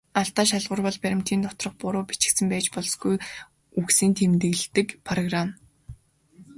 Алдаа шалгуур бол баримтын доторх буруу бичигдсэн байж болзошгүй үгсийг тэмдэглэдэг программ.